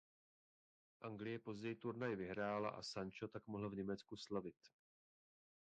Anglie později turnaj vyhrála a Sancho tak mohl v Německu slavit.